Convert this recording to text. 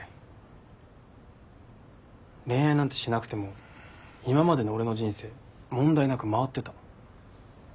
恋愛なんてしなくても今までの俺の人生問題なく回ってた。